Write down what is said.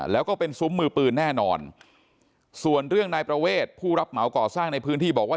แล้วก็เป็นซุ้มมือปืนแน่นอนส่วนเรื่องนายประเวทผู้รับเหมาก่อสร้างในพื้นที่บอกว่า